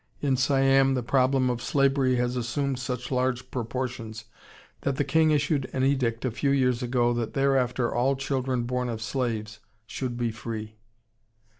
In Siam the problem of slavery has assumed such large proportions that the king issued an edict a few years ago that thereafter all children born of slaves should be free.